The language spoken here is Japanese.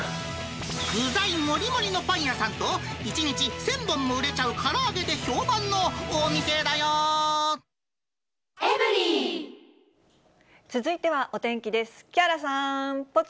具材盛り盛りのパン屋さんと、１日１０００本も売れちゃうから続いてはお天気です。